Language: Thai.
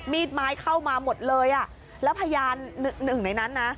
มีดไม้เข้ามาหมดเลยอ่ะแล้วพยานหนึ่งในนั้นนะ